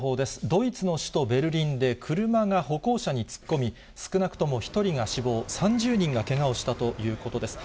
ドイツの首都ベルリンで車が歩行者に突っ込み、少なくとも１人が死亡、３０人がけがをしたということです。